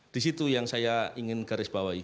di situ yang saya ingin garis bawahi